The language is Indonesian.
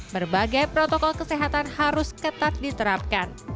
berbagai protokol kesehatan harus ketat diterapkan